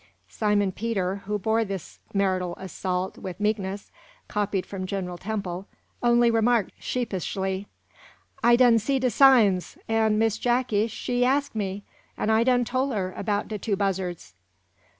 Simon Peter, who bore this marital assault with meekness, copied from General Temple, only remarked sheepishly: "I done see de signs; an', Miss Jacky, she arsk me, an' I done tole her 'bout de two buzzards."